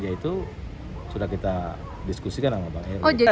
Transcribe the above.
yaitu sudah kita diskusikan sama pak erik